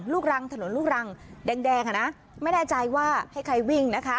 ลูกรังถนนลูกรังแดงอ่ะนะไม่แน่ใจว่าให้ใครวิ่งนะคะ